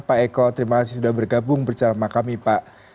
pak eko terima kasih sudah bergabung bersama kami pak